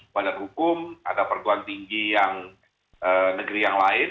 badan hukum ada perkeluaran tinggi yang negeri yang lain